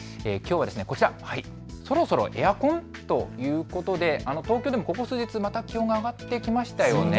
きょうはこちらそろそろエアコン？ということで東京でもここ数日また気温が上がってきましたよね。